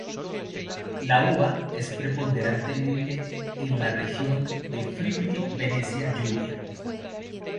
La uva es preponderante en la región de Friuli-Venecia Julia.